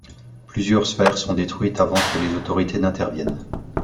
Plusieurs sphères sont détruites avant que les autorités n'interviennent.